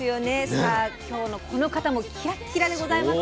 さあ今日のこの方もキラッキラでございます。